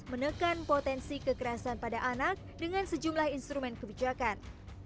menekan potensi kekerasan pada anak dengan sejumlah instrumen kebijakan